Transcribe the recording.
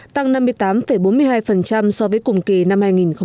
tăng năm mươi tám bốn mươi hai so với cùng kỳ năm hai nghìn một mươi tám